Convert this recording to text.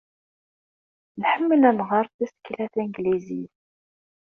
Nḥemmel ad nɣer tasekla tanglizit.